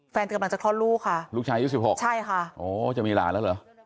กำลังจะคลอดลูกค่ะลูกชายอายุ๑๖ใช่ค่ะโอ้จะมีหลานแล้วเหรอ